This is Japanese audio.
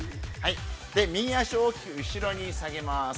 右脚を大きく後ろに下げます。